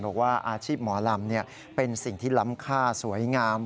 บอกว่าอาชีพหมอลำเป็นสิ่งที่ล้ำค่าสวยงาม